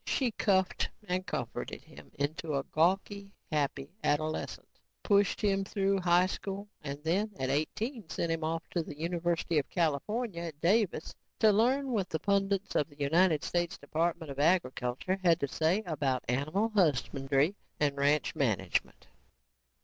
She cuffed and comforted him into a gawky happy adolescence, pushed him through high school and then, at eighteen, sent him off to the University of California at Davis to learn what the pundits of the United States Department of Agriculture had to say about animal husbandry and ranch management.